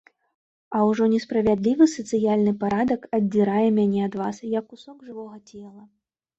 А ўжо несправядлівы сацыяльны парадак аддзірае мяне ад вас, як кусок жывога цела.